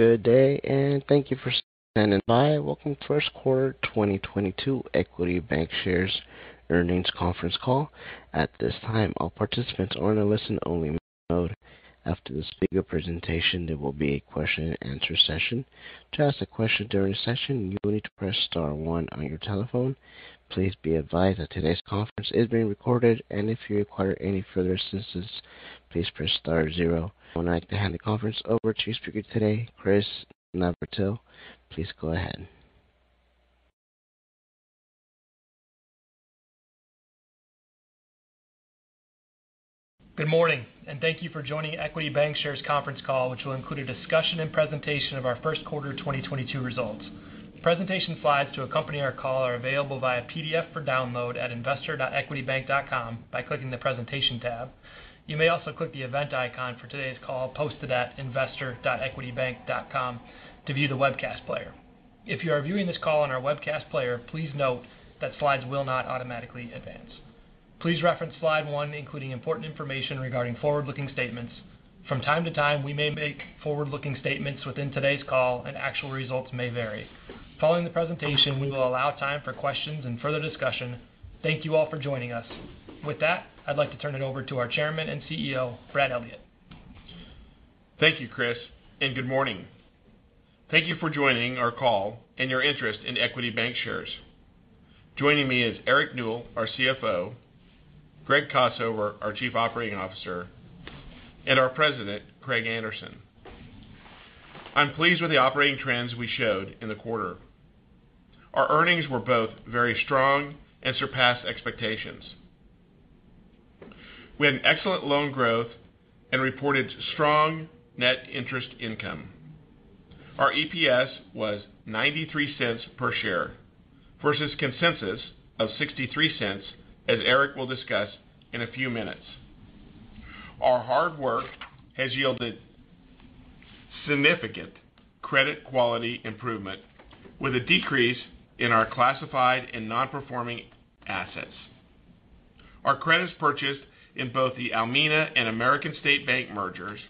Good day, and thank you for standing by. Welcome to first quarter 2022 Equity Bancshares Earnings conference call. At this time, all participants are in a listen-only mode. After the speaker presentation, there will be a question and answer session. To ask a question during the session, you will need to press star one on your telephone. Please be advised that today's conference is being recorded, and if you require any further assistance, please press star zero. I'd like to hand the conference over to speaker today, Chris Navratil. Please go ahead. Good morning, and thank you for joining Equity Bancshares conference call which will include a discussion and presentation of our first quarter 2022 results. Presentation slides to accompany our call are available via PDF for download at investor.equitybank.com by clicking the Presentation tab. You may also click the event icon for today's call posted at investor.equitybank.com to view the webcast player. If you are viewing this call on our webcast player, please note that slides will not automatically advance. Please reference slide one, including important information regarding forward-looking statements. From time to time, we may make forward-looking statements within today's call and actual results may vary. Following the presentation, we will allow time for questions and further discussion. Thank you all for joining us. With that, I'd like to turn it over to our Chairman and CEO, Brad Elliott. Thank you, Chris, and good morning. Thank you for joining our call and your interest in Equity Bancshares. Joining me is Eric Newell, our CFO, Greg Kossover, our Chief Operating Officer, and our President, Craig Anderson. I'm pleased with the operating trends we showed in the quarter. Our earnings were both very strong and surpassed expectations. We had excellent loan growth and reported strong net interest income. Our EPS was $0.93 per share versus consensus of $0.63, as Eric will discuss in a few minutes. Our hard work has yielded significant credit quality improvement with a decrease in our classified and non-performing assets. Our credits purchased in both the Almena and American State Bank mergers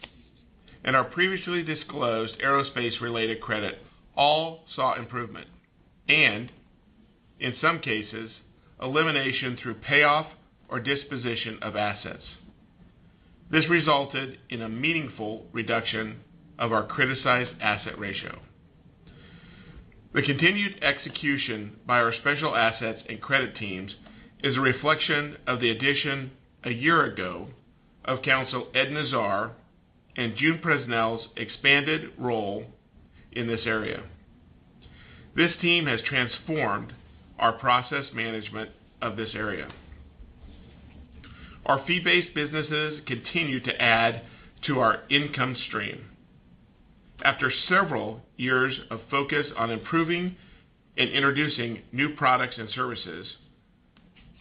and our previously disclosed aerospace-related credit all saw improvement and, in some cases, elimination through payoff or disposition of assets. This resulted in a meaningful reduction of our criticized asset ratio. The continued execution by our special assets and credit teams is a reflection of the addition a year ago of Counsel Ed Nazar and June Presnell's expanded role in this area. This team has transformed our process management of this area. Our fee-based businesses continue to add to our income stream. After several years of focus on improving and introducing new products and services,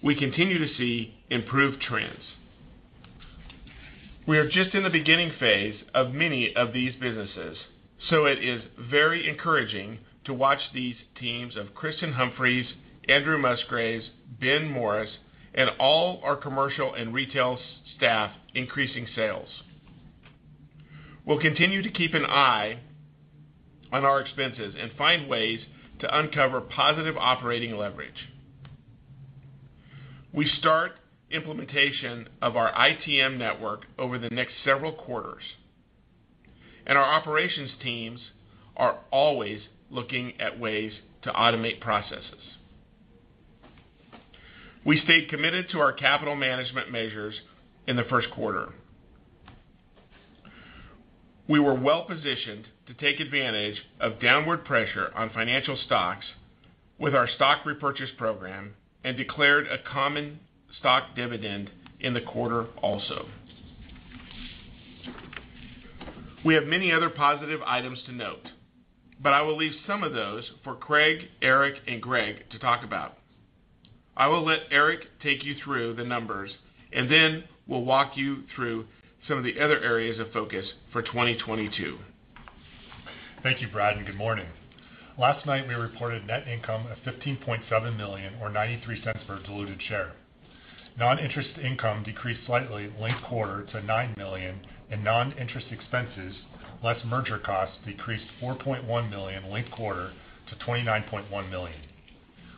we continue to see improved trends. We are just in the beginning phase of many of these businesses, so it is very encouraging to watch these teams of Kristin Humphries, Andrew Musgrave, Ben Morris, and all our commercial and retail staff increasing sales. We'll continue to keep an eye on our expenses and find ways to uncover positive operating leverage. We start implementation of our ITM network over the next several quarters, and our operations teams are always looking at ways to automate processes. We stayed committed to our capital management measures in the first quarter. We were well-positioned to take advantage of downward pressure on financial stocks with our stock repurchase program and declared a common stock dividend in the quarter also. We have many other positive items to note, but I will leave some of those for Craig, Eric, and Greg to talk about. I will let Eric take you through the numbers, and then we'll walk you through some of the other areas of focus for 2022. Thank you, Brad, and good morning. Last night, we reported net income of $15.7 million or $0.93 per diluted share. Non-interest income decreased slightly linked quarter to $9 million and non-interest expenses, less merger costs decreased $4.1 million linked quarter to $29.1 million.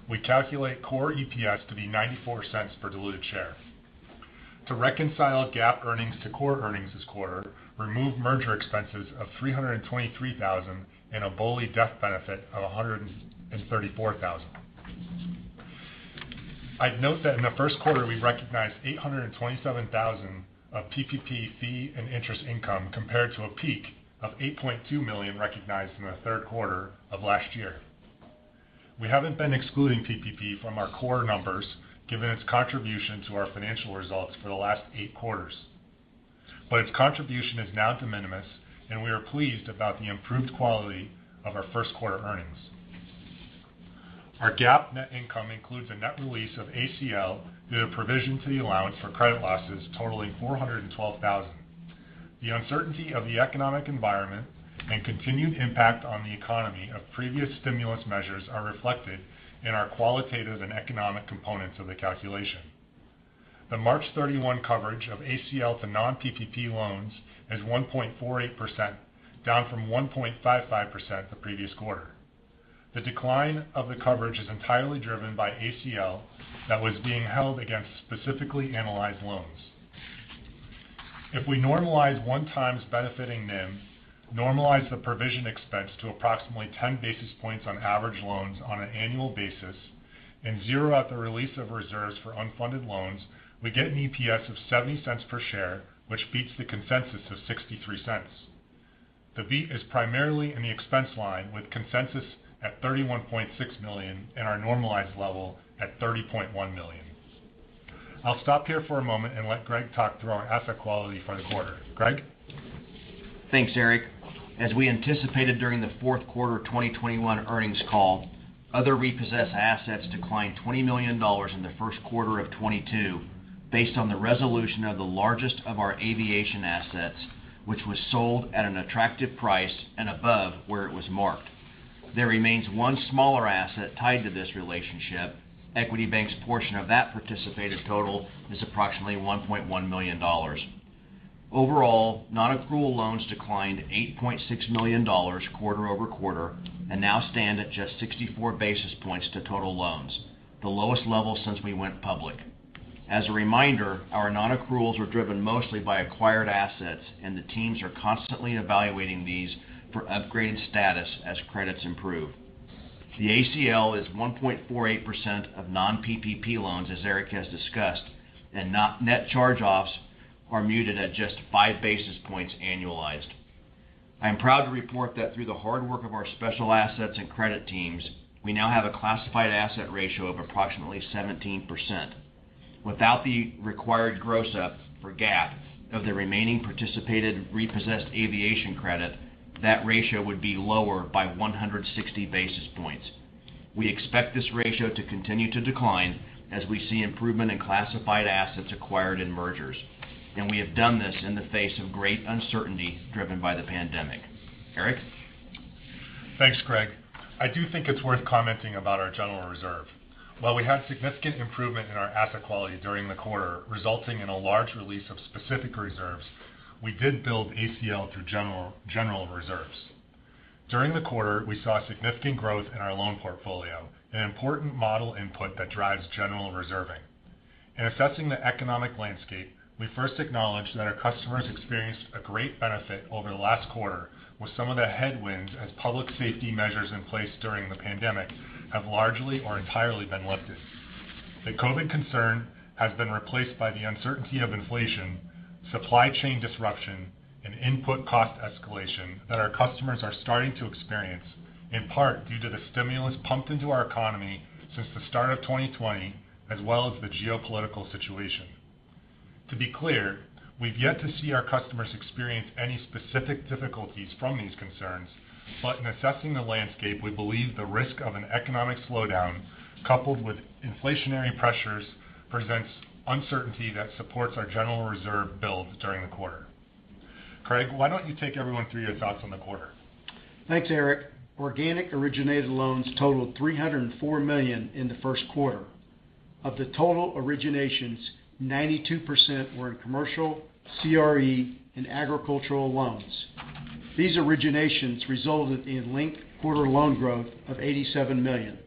We calculate core EPS to be $0.94 per diluted share. To reconcile GAAP earnings to core earnings this quarter, remove merger expenses of $323,000 and a BOLI death benefit of $134,000. I'd note that in the first quarter, we recognized $827,000 of PPP fee and interest income compared to a peak of $8.2 million recognized in the third quarter of last year. We haven't been excluding PPP from our core numbers given its contribution to our financial results for the last eight quarters. Its contribution is now de minimis, and we are pleased about the improved quality of our first quarter earnings. Our GAAP net income includes a net release of ACL due to provision to the allowance for credit losses totaling $412,000. The uncertainty of the economic environment and continued impact on the economy of previous stimulus measures are reflected in our qualitative and economic components of the calculation. The March 31st coverage of ACL to non-PPP loans is 1.48%, down from 1.55% the previous quarter. The decline of the coverage is entirely driven by ACL that was being held against specifically analyzed loans. If we normalize one-time benefiting NIM, normalize the provision expense to approximately 10 basis points on average loans on an annual basis and zero out the release of reserves for unfunded loans, we get an EPS of $0.70 per share, which beats the consensus of $0.63. The beat is primarily in the expense line, with consensus at $31.6 million and our normalized level at $30.1 million. I'll stop here for a moment and let Greg talk through our asset quality for the quarter. Greg? Thanks, Eric. As we anticipated during the fourth quarter of 2021 earnings call, other repossessed assets declined $20 million in the first quarter of 2022 based on the resolution of the largest of our aviation assets, which was sold at an attractive price and above where it was marked. There remains one smaller asset tied to this relationship. Equity Bank's portion of that participated total is approximately $1.1 million. Overall, non-accrual loans declined $8.6 million quarter-over-quarter and now stand at just 64 basis points to total loans, the lowest level since we went public. As a reminder, our non-accruals were driven mostly by acquired assets and the teams are constantly evaluating these for upgraded status as credits improve. The ACL is 1.48% of non-PPP loans, as Eric has discussed, and net charge-offs are muted at just 5 basis points annualized. I am proud to report that through the hard work of our special assets and credit teams, we now have a classified asset ratio of approximately 17%. Without the required gross-up for GAAP of the remaining participated repossessed aviation credit, that ratio would be lower by 160 basis points. We expect this ratio to continue to decline as we see improvement in classified assets acquired in mergers. We have done this in the face of great uncertainty driven by the pandemic. Eric? Thanks, Greg. I do think it's worth commenting about our general reserve. While we had significant improvement in our asset quality during the quarter, resulting in a large release of specific reserves, we did build ACL through general reserves. During the quarter, we saw significant growth in our loan portfolio, an important model input that drives general reserving. In assessing the economic landscape, we first acknowledge that our customers experienced a great benefit over the last quarter with some of the headwinds as public safety measures in place during the pandemic have largely or entirely been lifted. The COVID concern has been replaced by the uncertainty of inflation, supply chain disruption, and input cost escalation that our customers are starting to experience, in part due to the stimulus pumped into our economy since the start of 2020, as well as the geopolitical situation. To be clear, we've yet to see our customers experience any specific difficulties from these concerns, but in assessing the landscape, we believe the risk of an economic slowdown coupled with inflationary pressures presents uncertainty that supports our general reserve build during the quarter. Craig, why don't you take everyone through your thoughts on the quarter? Thanks, Eric. Organic originated loans totaled $304 million in the first quarter. Of the total originations, 92% were in commercial, CRE and agricultural loans. These originations resulted in linked quarter loan growth of $87 million.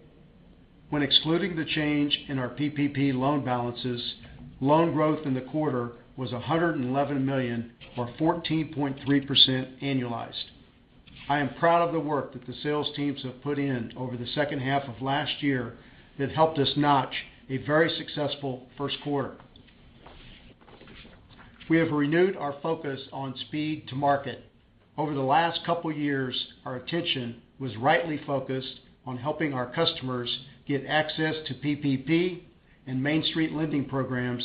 When excluding the change in our PPP loan balances, loan growth in the quarter was $111 million or 14.3% annualized. I am proud of the work that the sales teams have put in over the second half of last year that helped us notch a very successful first quarter. We have renewed our focus on speed to market. Over the last couple years, our attention was rightly focused on helping our customers get access to PPP and Main Street Lending Program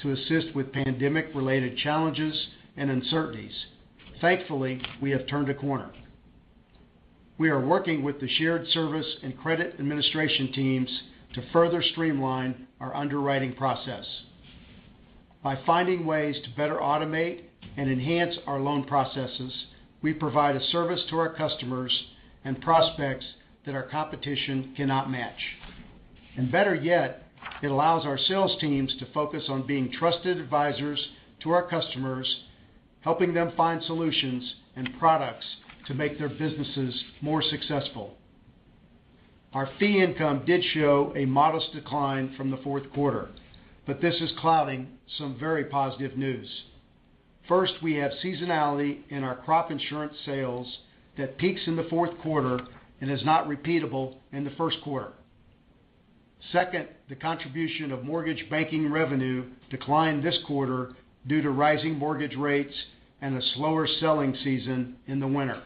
to assist with pandemic-related challenges and uncertainties. Thankfully, we have turned a corner. We are working with the shared service and credit administration teams to further streamline our underwriting process. By finding ways to better automate and enhance our loan processes, we provide a service to our customers and prospects that our competition cannot match. Better yet, it allows our sales teams to focus on being trusted advisors to our customers, helping them find solutions and products to make their businesses more successful. Our fee income did show a modest decline from the fourth quarter, but this is clouding some very positive news. First, we have seasonality in our crop insurance sales that peaks in the fourth quarter and is not repeatable in the first quarter. Second, the contribution of mortgage banking revenue declined this quarter due to rising mortgage rates and a slower selling season in the winter.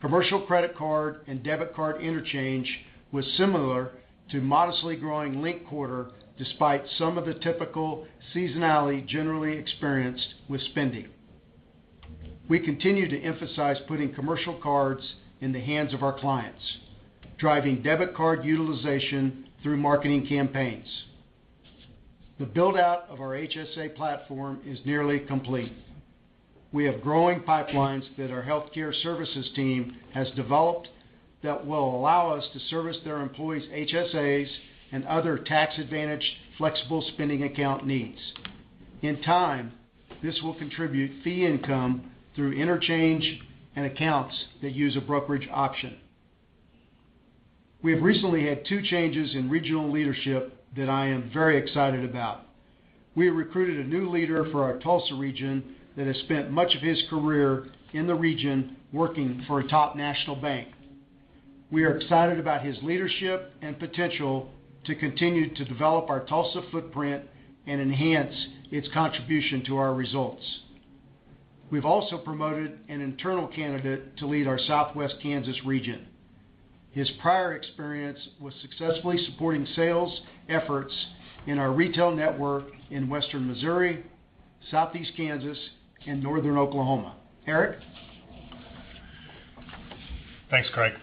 Commercial Credit Card and Debit Card interchange was similar to modestly growing linked-quarter despite some of the typical seasonality generally experienced with spending. We continue to emphasize putting commercial cards in the hands of our clients, driving debit card utilization through marketing campaigns. The build-out of our HSA platform is nearly complete. We have growing pipelines that our healthcare services team has developed that will allow us to service their employees' HSAs and other tax-advantaged flexible spending account needs. In time, this will contribute fee income through interchange and accounts that use a brokerage option. We have recently had two changes in regional leadership that I am very excited about. We recruited a new leader for our Tulsa region that has spent much of his career in the region working for a top national bank. We are excited about his leadership and potential to continue to develop our Tulsa footprint and enhance its contribution to our results. We've also promoted an internal candidate to lead our Southwest Kansas region. His prior experience was successfully supporting sales efforts in our retail network in Western Missouri, Southeast Kansas, and Northern Oklahoma. Eric? Thanks, Craig.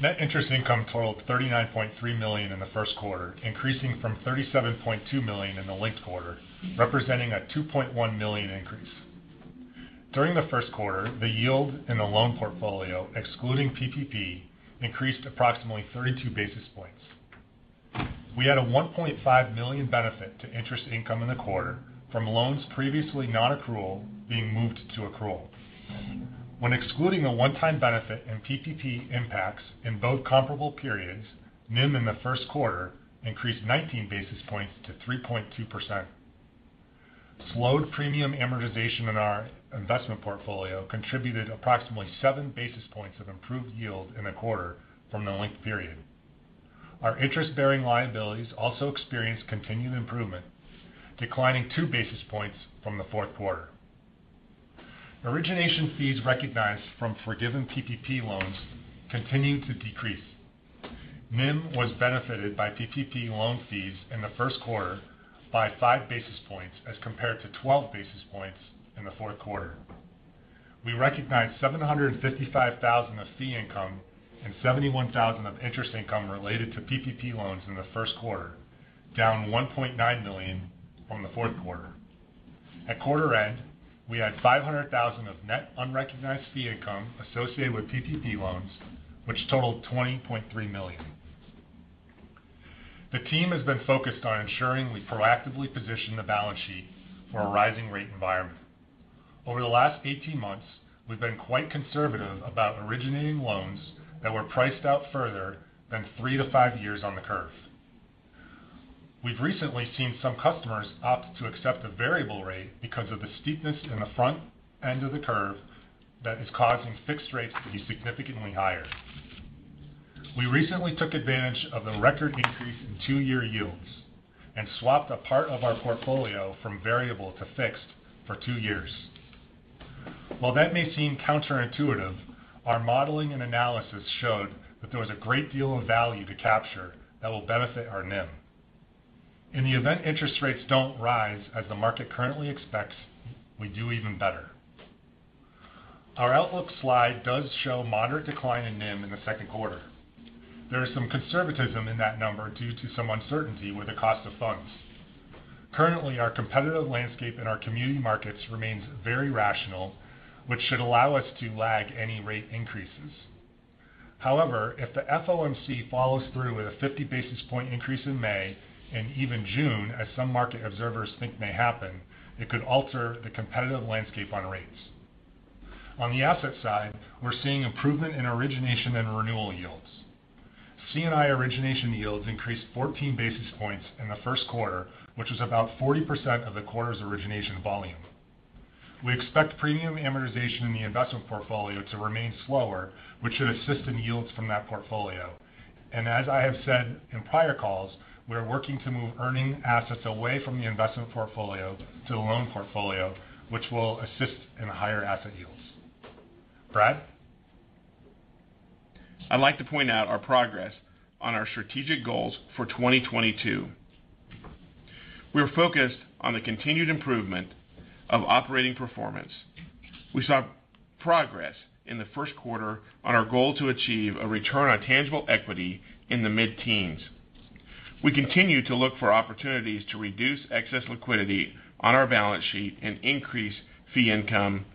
Net interest income totaled $39.3 million in the first quarter, increasing from $37.2 million in the linked quarter, representing a $2.1 million increase. During the first quarter, the yield in the loan portfolio, excluding PPP, increased approximately 32 basis points. We had a $1.5 million benefit to interest income in the quarter from loans previously nonaccrual being moved to accrual. When excluding a one-time benefit and PPP impacts in both comparable periods, NIM in the first quarter increased 19 basis points to 3.2%. Slowed premium amortization in our investment portfolio contributed approximately 7 basis points of improved yield in the quarter from the linked period. Our interest-bearing liabilities also experienced continued improvement, declining 2 basis points from the fourth quarter. Origination fees recognized from forgiven PPP loans continued to decrease. NIM was benefited by PPP loan fees in the first quarter by 5 basis points as compared to 12 basis points in the fourth quarter. We recognized $755,000 of fee income and $71,000 of interest income related to PPP loans in the first quarter, down $1.9 million from the fourth quarter. At quarter end, we had $500,000 of net unrecognized fee income associated with PPP loans, which totaled $20.3 million. The team has been focused on ensuring we proactively position the balance sheet for a rising rate environment. Over the last 18 months, we've been quite conservative about originating loans that were priced out further than 3-5 years on the curve. We've recently seen some customers opt to accept a variable rate because of the steepness in the front end of the curve that is causing fixed rates to be significantly higher. We recently took advantage of the record increase in two year yields and swapped a part of our portfolio from variable to fixed for two years. While that may seem counterintuitive, our modeling and analysis showed that there was a great deal of value to capture that will benefit our NIM. In the event interest rates don't rise as the market currently expects, we do even better. Our outlook slide does show moderate decline in NIM in the second quarter. There is some conservatism in that number due to some uncertainty with the cost of funds. Currently, our competitive landscape in our community markets remains very rational, which should allow us to lag any rate increases. However, if the FOMC follows through with a 50 basis point increase in May and even June, as some market observers think may happen, it could alter the competitive landscape on rates. On the asset side, we're seeing improvement in origination and renewal yields. C&I origination yields increased 14 basis points in the first quarter, which was about 40% of the quarter's origination volume. We expect premium amortization in the investment portfolio to remain slower, which should assist in yields from that portfolio. As I have said in prior calls, we are working to move earning assets away from the investment portfolio to the loan portfolio, which will assist in higher asset yields. Brad? I'd like to point out our progress on our strategic goals for 2022. We're focused on the continued improvement of operating performance. We saw progress in the first quarter on our goal to achieve a return on tangible equity in the mid-teens. We continue to look for opportunities to reduce excess liquidity on our balance sheet and increase fee income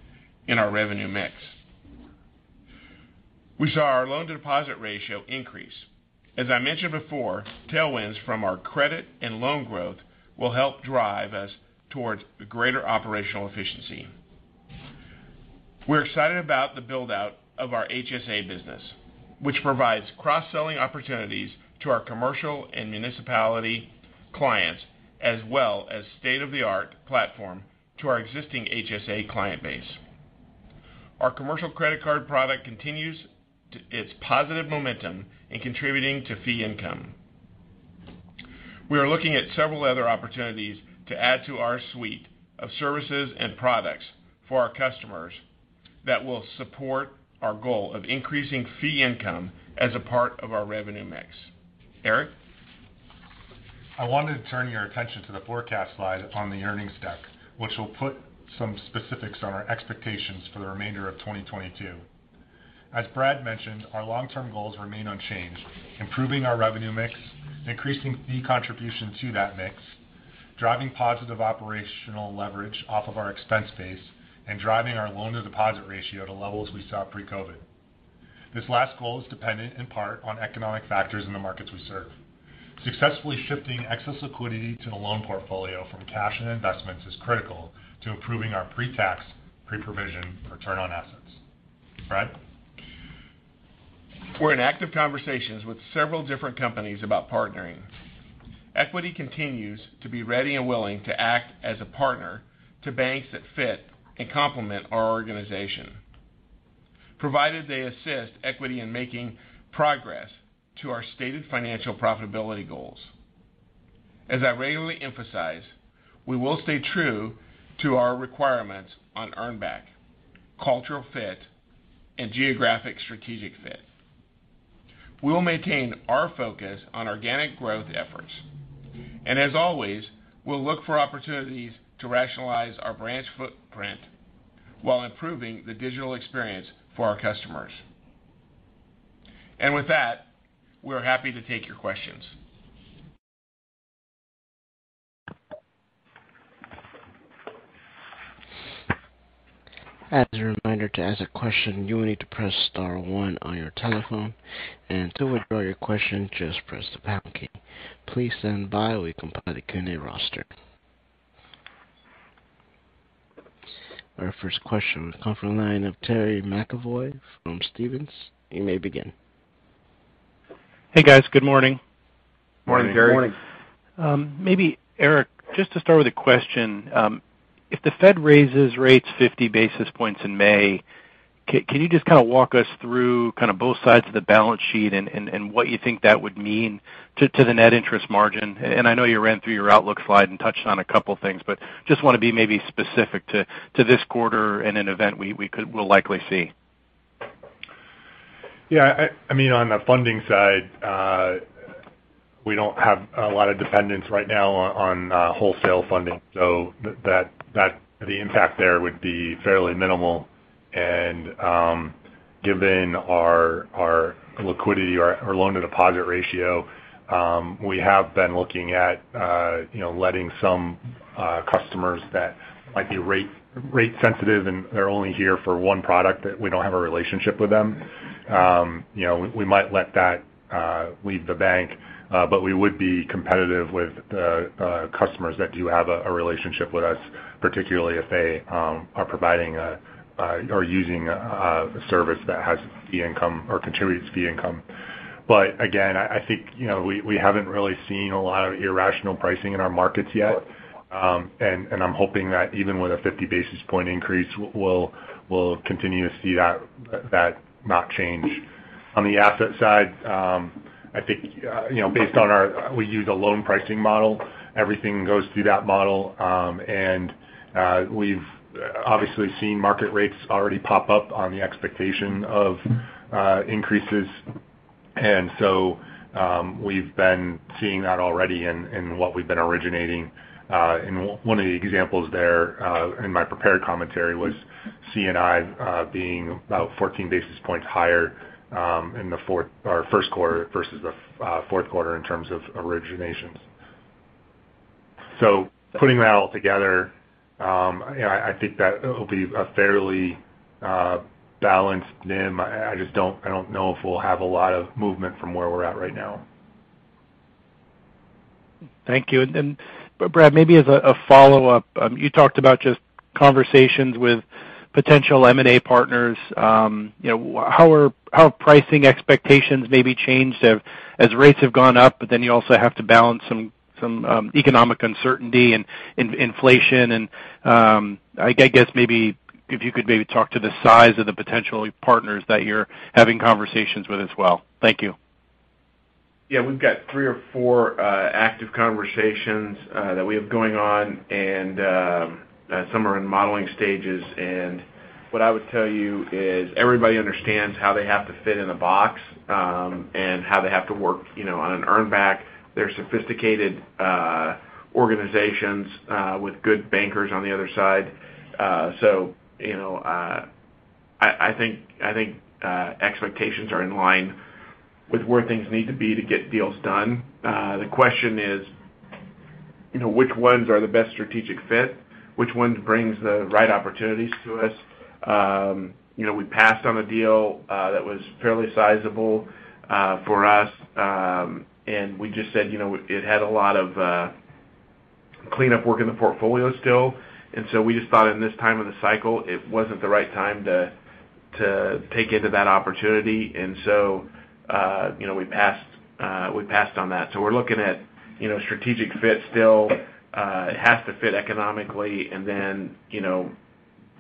in our revenue mix. We saw our loan-to-deposit ratio increase. As I mentioned before, tailwinds from our credit and loan growth will help drive us towards the greater operational efficiency. We're excited about the build-out of our HSA business, which provides cross-selling opportunities to our commercial and municipality clients, as well as state-of-the-art platform to our existing HSA client base. Our commercial credit card product continues its positive momentum in contributing to fee income. We are looking at several other opportunities to add to our suite of services and products for our customers that will support our goal of increasing fee income as a part of our revenue mix. Eric? I want to turn your attention to the forecast slide on the earnings deck, which will put some specifics on our expectations for the remainder of 2022. As Brad mentioned, our long-term goals remain unchanged, improving our revenue mix, increasing fee contribution to that mix, driving positive operational leverage off of our expense base, and driving our loan-to-deposit ratio to levels we saw pre-COVID. This last goal is dependent in part on economic factors in the markets we serve. Successfully shifting excess liquidity to the loan portfolio from cash and investments is critical to improving our pre-tax, pre-provision return on assets. Brad? We're in active conversations with several different companies about partnering. Equity continues to be ready and willing to act as a partner to banks that fit and complement our organization, provided they assist Equity in making progress to our stated financial profitability goals. As I regularly emphasize, we will stay true to our requirements on earn back, cultural fit, and geographic strategic fit. We will maintain our focus on organic growth efforts. As always, we'll look for opportunities to rationalize our branch footprint while improving the digital experience for our customers. With that, we're happy to take your questions. As a reminder, to ask a question, you will need to press star one on your telephone, and to withdraw your question, just press the pound key. Please stand by while we compile the Q&A roster. Our first question will come from the line of Terry McEvoy from Stephens. You may begin. Hey, guys. Good morning. Morning, Terry. Morning. Maybe, Eric, just to start with a question. If the Fed raises rates 50 basis points in May, can you just kind of walk us through kind of both sides of the balance sheet and what you think that would mean to the net interest margin? I know you ran through your outlook slide and touched on a couple things, but just wanna be maybe specific to this quarter in the event we will likely see. Yeah. I mean, on the funding side, we don't have a lot of dependence right now on wholesale funding. So that the impact there would be fairly minimal. Given our liquidity, our loan to deposit ratio, we have been looking at, you know, letting some customers that might be rate sensitive, and they're only here for one product that we don't have a relationship with them. You know, we might let that leave the bank, but we would be competitive with the customers that do have a relationship with us, particularly if they are providing or using a service that has fee income or contributes fee income. Again, I think, you know, we haven't really seen a lot of irrational pricing in our markets yet. I'm hoping that even with a 50 basis point increase, we'll continue to see that not change. On the asset side, I think you know, we use a loan pricing model. Everything goes through that model. We've obviously seen market rates already pop up on the expectation of increases. We've been seeing that already in what we've been originating. One of the examples there, in my prepared commentary was C&I being about 14 basis points higher, in the first quarter versus the fourth quarter in terms of originations. Putting that all together, you know, I think that it'll be a fairly balanced NIM. I just don't know if we'll have a lot of movement from where we're at right now. Thank you. Brad, maybe as a follow-up, you talked about just conversations with potential M&A partners. You know, how have pricing expectations maybe changed as rates have gone up, but then you also have to balance some economic uncertainty and inflation. I guess maybe if you could maybe talk to the size of the potential partners that you're having conversations with as well. Thank you. Yeah. We've got three or four active conversations that we have going on. Some are in modeling stages. What I would tell you is everybody understands how they have to fit in a box and how they have to work, you know, on an earn back. They're sophisticated organizations with good bankers on the other side. You know, I think expectations are in line with where things need to be to get deals done. The question is, you know, which ones are the best strategic fit? Which ones brings the right opportunities to us? You know, we passed on a deal that was fairly sizable for us. We just said, you know, it had a lot of cleanup work in the portfolio still. We just thought in this time of the cycle, it wasn't the right time to take into that opportunity. We passed on that. We're looking at, you know, strategic fit still. It has to fit economically.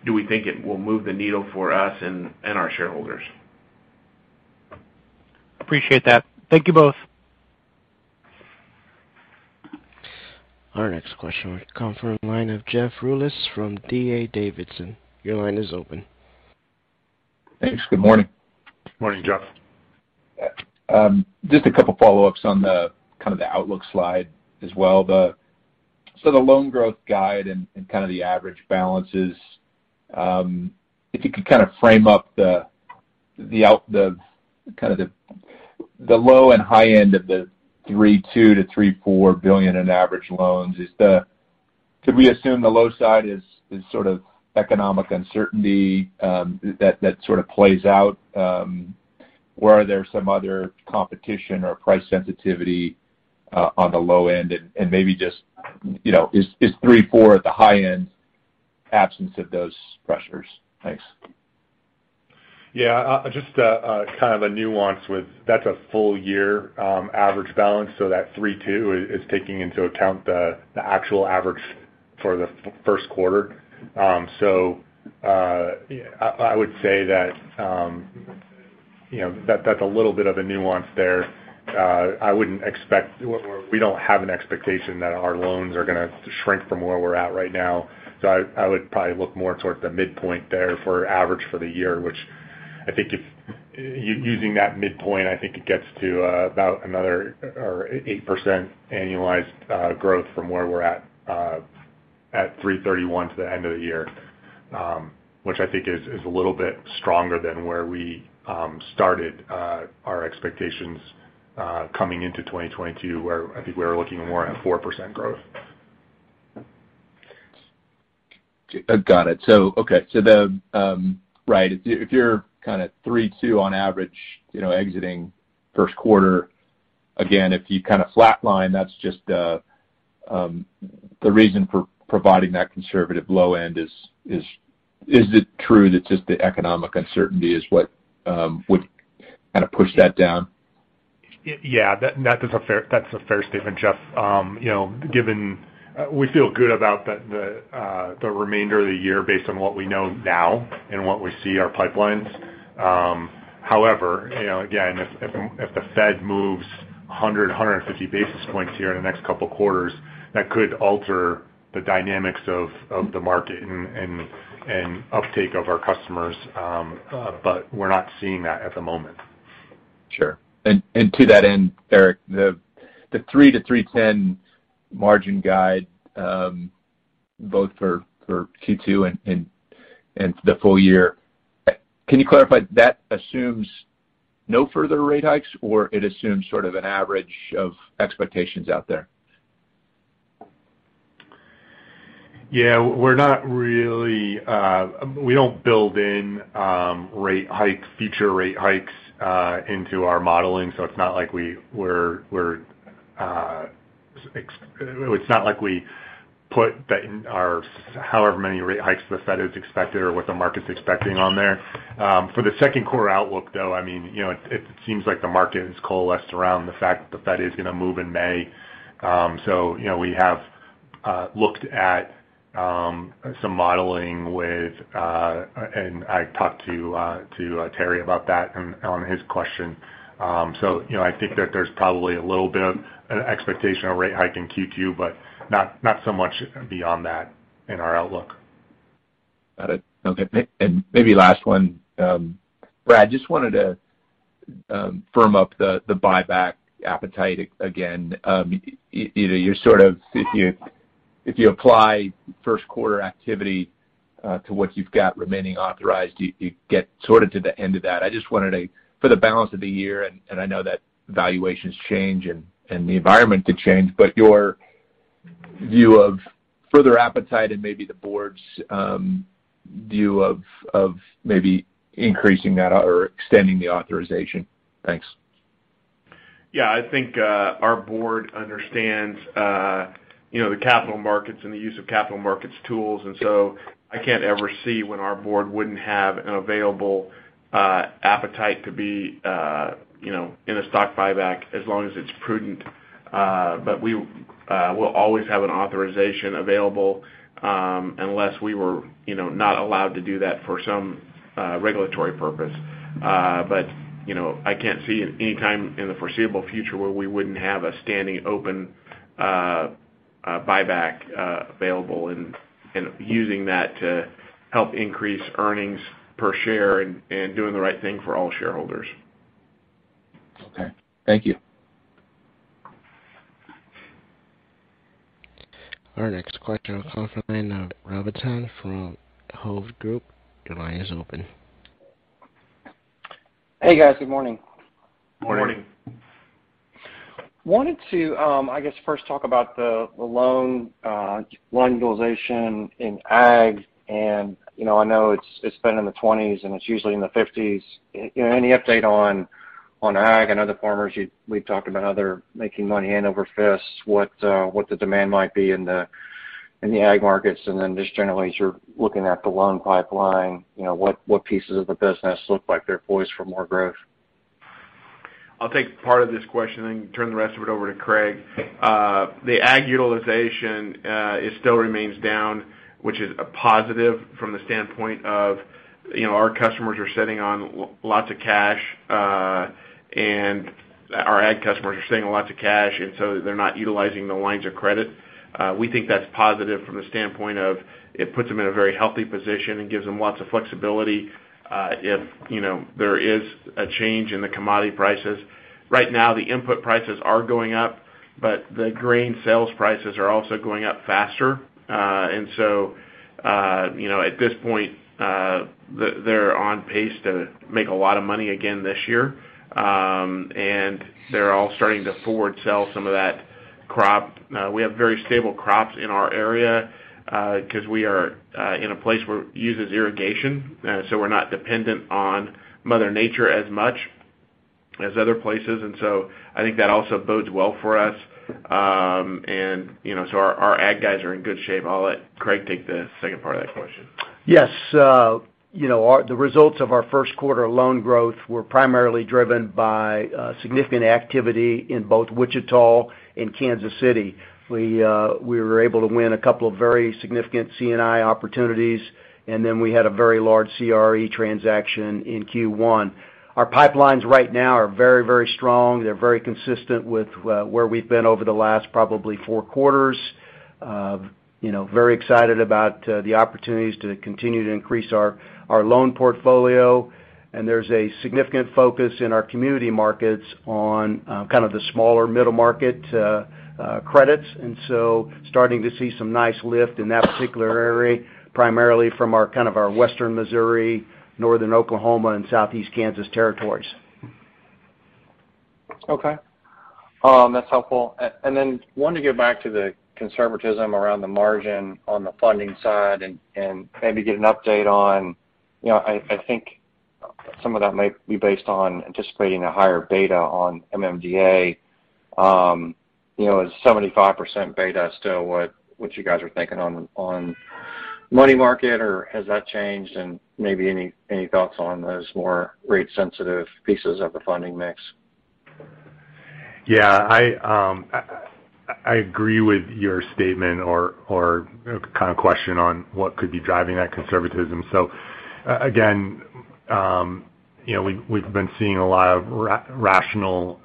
Do we think it will move the needle for us and our shareholders? Appreciate that. Thank you both. Our next question comes from the line of Jeff Rulis from D.A. Davidson. Your line is open. Thanks. Good morning. Morning, Jeff. Just a couple follow-ups on the kind of the outlook slide as well. The loan growth guide and kind of the average balances, if you could kind of frame up the outlook, kind of the low and high end of the $3.2 billion-$3.4 billion in average loans. Could we assume the low side is sort of economic uncertainty that sort of plays out? Were there some other competition or price sensitivity on the low end? Maybe just, you know, is 3.4 at the high end absence of those pressures? Thanks. Just a kind of nuance with that that's a full year average balance, so that 3.2 is taking into account the actual average for the first quarter. I would say that, you know, that's a little bit of a nuance there. I wouldn't expect or we don't have an expectation that our loans are gonna shrink from where we're at right now. I would probably look more towards the midpoint there for average for the year, which I think if using that midpoint, I think it gets to about another 8% annualized growth from where we're at 3/31 to the end of the year, which I think is a little bit stronger than where we started our expectations coming into 2022, where I think we were looking more at 4% growth. Got it. Okay. Right. If you're kind of 3.2 on average, you know, exiting first quarter, again, if you kind of flatline, that's just the reason for providing that conservative low end is it true that just the economic uncertainty is what would kind of push that down? Yeah. That is a fair statement, Jeff. You know, given we feel good about the remainder of the year based on what we know now and what we see in our pipelines. However, you know, again, if the Fed moves 150 basis points here in the next couple quarters, that could alter the dynamics of the market and uptake of our customers. We're not seeing that at the moment. Sure. To that end, Eric, the 3%-3.10% margin guide, both for Q2 and the full year, can you clarify that assumes no further rate hikes, or it assumes sort of an average of expectations out there? Yeah. We don't build in future rate hikes into our modeling, so it's not like we put our however many rate hikes the Fed is expected or what the market's expecting on there. For the second quarter outlook, though, I mean, you know, it seems like the market has coalesced around the fact that the Fed is gonna move in May. You know, we have looked at some modeling, and I talked to Terry about that on his question. You know, I think that there's probably a little bit of an expectation of rate hike in Q2, but not so much beyond that in our outlook. Got it. Okay. Maybe last one. Brad, just wanted to firm up the buyback appetite again. You know, you sort of if you apply first quarter activity to what you've got remaining authorized, you get sort of to the end of that. I just wanted for the balance of the year, and I know that valuations change and the environment could change, but your view of further appetite and maybe the board's view of maybe increasing that or extending the authorization. Thanks. Yeah. I think our board understands you know the capital markets and the use of capital markets tools. I can't ever see when our board wouldn't have an available appetite to be you know in a stock buyback as long as it's prudent. We'll always have an authorization available unless we were you know not allowed to do that for some regulatory purpose. You know I can't see any time in the foreseeable future where we wouldn't have a standing open buyback available and using that to help increase earnings per share and doing the right thing for all shareholders. Okay. Thank you. Our next question will come from the line of Ross Haberman from Hovde Group. Your line is open. Hey, guys. Good morning. Morning. Morning. Wanted to, I guess, first talk about the loan utilization in ag. You know, I know it's been in the 20s, and it's usually in the 50s. You know, any update on ag? I know the farmers, you we've talked about how they're making money hand over fist, what the demand might be in the ag markets. Then just generally, as you're looking at the loan pipeline, you know, what pieces of the business look like they're poised for more growth? I'll take part of this question and turn the rest of it over to Craig. The ag utilization, it still remains down, which is a positive from the standpoint of, you know, our customers are sitting on lots of cash, and our ag customers are sitting on lots of cash, and so they're not utilizing the lines of credit. We think that's positive from the standpoint of it puts them in a very healthy position and gives them lots of flexibility. If, you know, there is a change in the commodity prices. Right now, the input prices are going up, but the grain sales prices are also going up faster. At this point, they're on pace to make a lot of money again this year. They're all starting to forward sell some of that crop. Now, we have very stable crops in our area, because we are in a place where it uses irrigation, so we're not dependent on Mother Nature as much as other places. I think that also bodes well for us. Our ag guys are in good shape. I'll let Craig take the second part of that question. Yes. You know, the results of our first quarter loan growth were primarily driven by significant activity in both Wichita and Kansas City. We were able to win a couple of very significant C&I opportunities, and then we had a very large CRE transaction in Q1. Our pipelines right now are very, very strong. They're very consistent with where we've been over the last probably four quarters. You know, very excited about the opportunities to continue to increase our loan portfolio. There's a significant focus in our community markets on kind of the smaller middle market credits. Starting to see some nice lift in that particular area, primarily from our western Missouri, northern Oklahoma and southeast Kansas territories. Okay. That's helpful. Wanted to get back to the conservatism around the margin on the funding side and maybe get an update on. You know, I think some of that might be based on anticipating a higher beta on MMDA. You know, is 75% beta still what you guys are thinking on money market, or has that changed? Maybe any thoughts on those more rate sensitive pieces of the funding mix? Yeah. I agree with your statement or kind of question on what could be driving that conservatism. Again, you know, we've been seeing a lot of rational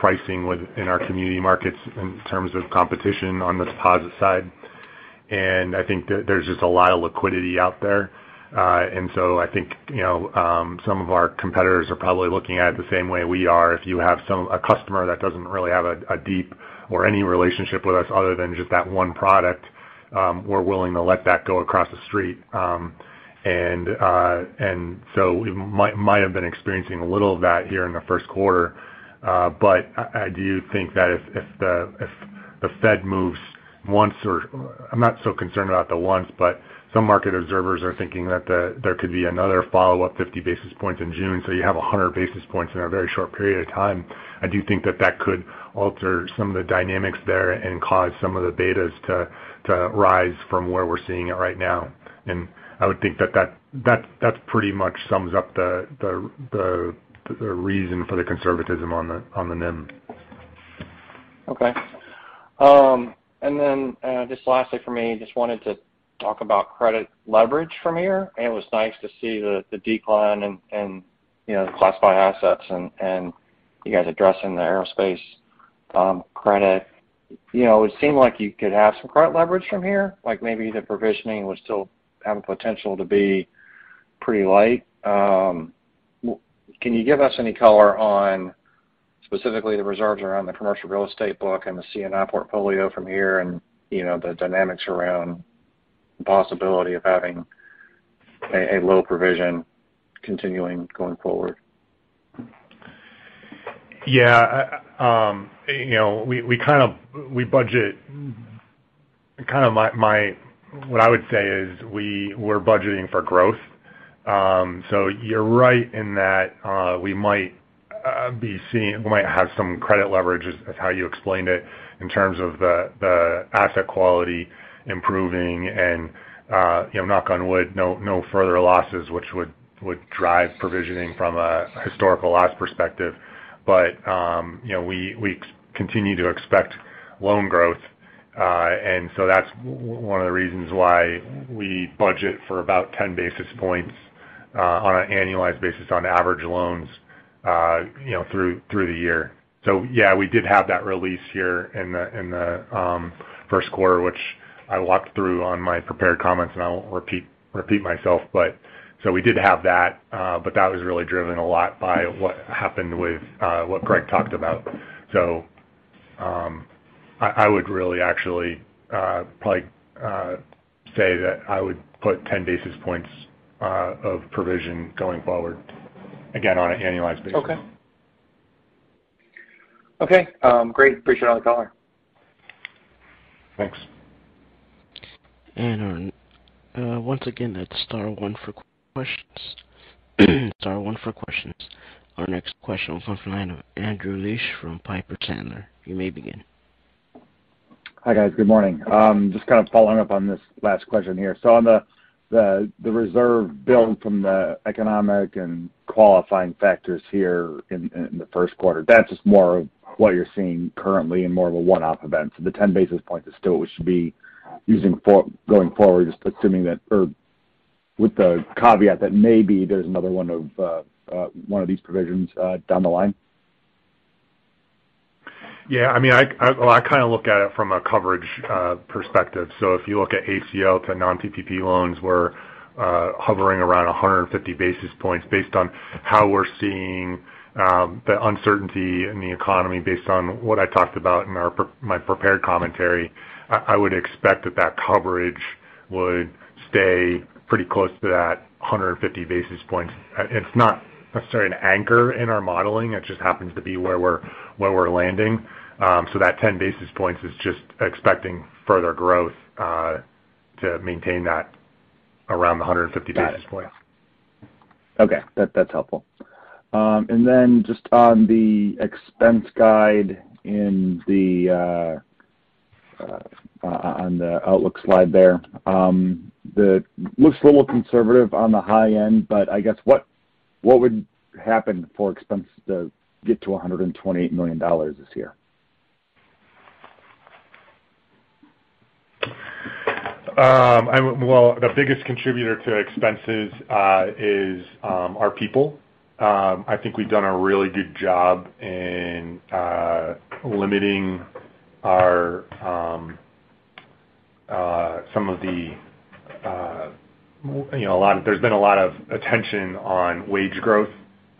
pricing in our community markets in terms of competition on the deposit side. I think there's just a lot of liquidity out there. I think, you know, some of our competitors are probably looking at it the same way we are. If you have a customer that doesn't really have a deep or any relationship with us other than just that one product, we're willing to let that go across the street. We might have been experiencing a little of that here in the first quarter. I do think that if the Fed moves once. I'm not so concerned about the once, but some market observers are thinking that there could be another follow-up 50 basis points in June. You have 100 basis points in a very short period of time. I do think that that could alter some of the dynamics there and cause some of the betas to rise from where we're seeing it right now. I would think that that pretty much sums up the reason for the conservatism on the NIM. Okay. Just lastly for me, just wanted to talk about credit leverage from here. It was nice to see the decline in you know, the classified assets and you guys addressing the aerospace credit. You know, it seemed like you could have some credit leverage from here, like maybe the provisioning would still have a potential to be pretty light. Can you give us any color on specifically the reserves around the commercial real estate book and the C&I portfolio from here and, you know, the dynamics around the possibility of having a low provision continuing going forward? Yeah. You know, we're budgeting for growth. You're right in that we might have some credit leverage as you explained it in terms of the asset quality improving and, you know, knock on wood, no further losses which would drive provisioning from a historical loss perspective. You know, we continue to expect loan growth. That's one of the reasons why we budget for about 10 basis points on an annualized basis on average loans, you know, through the year. Yeah, we did have that release here in the first quarter, which I walked through on my prepared comments, and I won't repeat myself, but we did have that. But that was really driven a lot by what happened with what Craig talked about. I would really actually probably say that I would put 10 basis points of provision going forward, again, on an annualized basis. Okay. Great. Appreciate all the color. Thanks. Once again, that's star one for questions. Our next question comes from the line of Andrew Liesch from Piper Sandler. You may begin. Hi, guys. Good morning. Just kind of following up on this last question here. On the reserve build from the economic and qualifying factors here in the first quarter, that's just more of what you're seeing currently and more of a one-off event. The 10 basis points is still what you should be using going forward, just assuming that or with the caveat that maybe there's another one of these provisions down the line? Yeah, I mean, well, I kind of look at it from a coverage perspective. If you look at ACL to non-PPP loans, we're hovering around 150 basis points based on how we're seeing the uncertainty in the economy, based on what I talked about in my prepared commentary. I would expect that coverage would stay pretty close to that 150 basis points. It's not necessarily an anchor in our modeling. It just happens to be where we're landing. That 10 basis points is just expecting further growth to maintain that around the 150 basis points. Okay. That's helpful. Just on the expense guidance on the outlook slide there, that looks a little conservative on the high end, but I guess what would happen for expenses to get to $128 million this year? Well, the biggest contributor to expenses is our people. I think we've done a really good job in limiting some of the, you know, there's been a lot of attention on wage growth.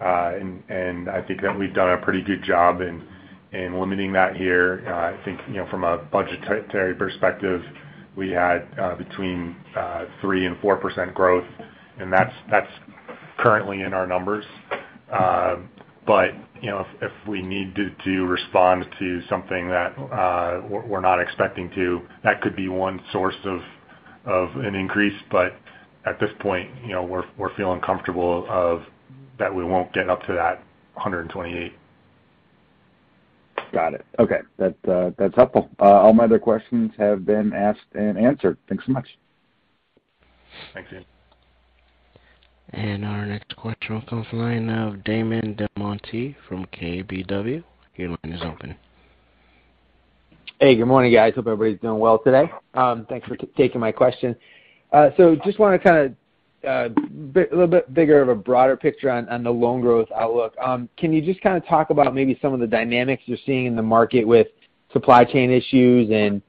I think that we've done a pretty good job in limiting that here. I think you know, from a budgetary perspective, we had between 3% and 4% growth, and that's currently in our numbers. You know, if we need to respond to something that we're not expecting to, that could be one source of an increase, but at this point, you know, we're feeling comfortable that we won't get up to that $128. Got it. Okay. That, that's helpful. All my other questions have been asked and answered. Thanks so much. Thanks. Our next question comes from the line of Damon DelMonte from KBW. Your line is open. Hey, good morning, guys. Hope everybody's doing well today. Thanks for taking my question. Just wanna kind of little bit bigger of a broader picture on the loan growth outlook. Can you just kind of talk about maybe some of the dynamics you're seeing in the market with supply chain issues and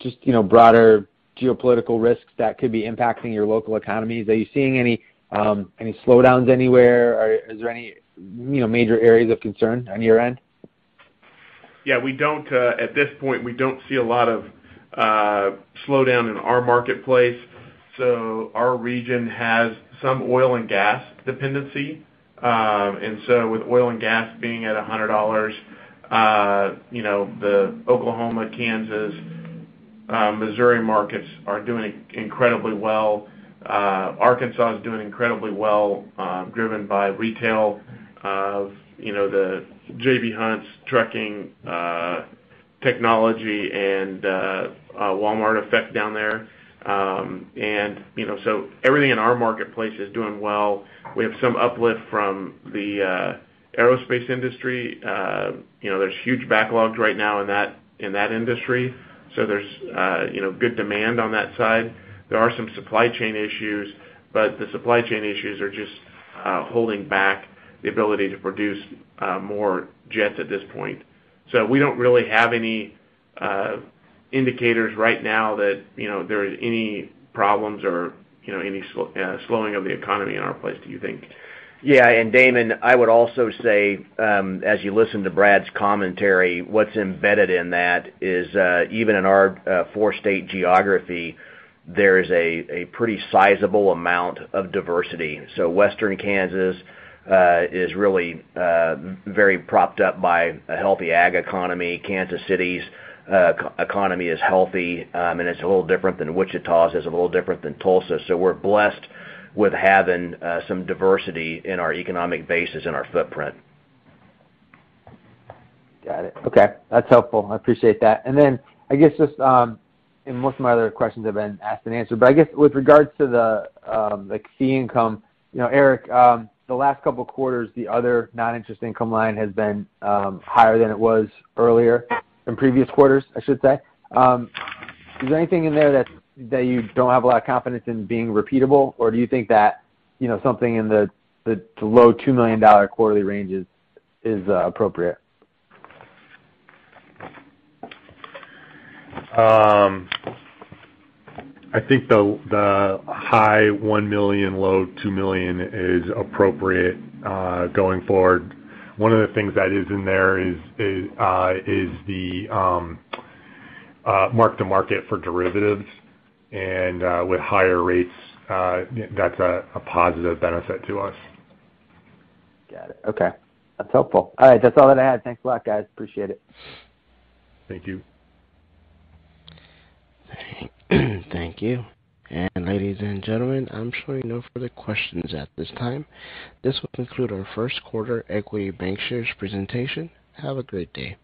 just you know broader geopolitical risks that could be impacting your local economies? Are you seeing any slowdowns anywhere? Or is there any you know major areas of concern on your end? Yeah, at this point, we don't see a lot of slowdown in our marketplace. Our region has some oil and gas dependency with oil and gas being at $100, you know, the Oklahoma, Kansas, Missouri markets are doing incredibly well. Arkansas is doing incredibly well, driven by retail. You know, the J.B. Hunt's trucking, technology and a Walmart effect down there. Everything in our marketplace is doing well. We have some uplift from the aerospace industry. You know, there's huge backlogs right now in that industry. There's good demand on that side. There are some supply chain issues, but the supply chain issues are just holding back the ability to produce more jets at this point. We don't really have any indicators right now that, you know, there is any problems or, you know, any slowing of the economy in our place, do you think? Yeah. Damon, I would also say, as you listen to Brad's commentary, what's embedded in that is, even in our four-state geography, there is a pretty sizable amount of diversity. Western Kansas is really very propped up by a healthy ag economy. Kansas City's economy is healthy, and it's a little different than Wichita's, is a little different than Tulsa. We're blessed with having some diversity in our economic bases in our footprint. Got it. Okay. That's helpful. I appreciate that. I guess just and most of my other questions have been asked and answered, but I guess with regards to the, like, fee income, you know, Eric, the last couple of quarters, the other non-interest income line has been higher than it was earlier in previous quarters, I should say. Is there anything in there that you don't have a lot of confidence in being repeatable, or do you think that, you know, something in the low $2 million quarterly range is appropriate? I think the high $1 million, low $2 million is appropriate going forward. One of the things that is in there is the mark-to-market for derivatives and with higher rates that's a positive benefit to us. Got it. Okay. That's helpful. All right. That's all that I had. Thanks a lot, guys. Appreciate it. Thank you. Thank you. Ladies and gentlemen, I'm showing no further questions at this time. This will conclude our first quarter Equity Bancshares presentation. Have a great day.